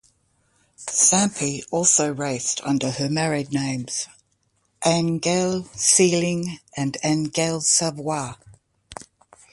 Sampey also raced under her married names Angelle Seeling and Angelle Savoie.